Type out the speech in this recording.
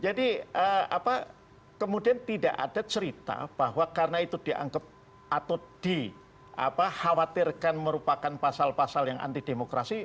jadi kemudian tidak ada cerita bahwa karena itu dianggap atau dikhawatirkan merupakan pasal pasal yang anti demokrasi